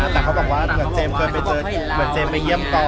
แต่เขาบอกว่าเหมือนเจมส์ไปเยี่ยมกอง